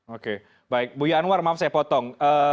oke baik bu yanwar maaf saya potong